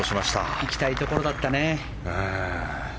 行きたいところだったね。